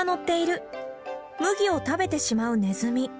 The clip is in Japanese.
麦を食べてしまうネズミ。